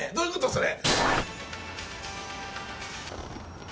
それ。